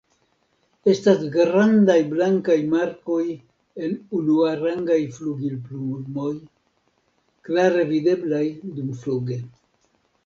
Estas grandaj blankaj markoj en unuarangaj flugilplumoj, klare videblaj dumfluge.